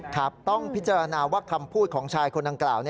ครับต้องพิจารณาว่าคำพูดของชายคนดังกล่าว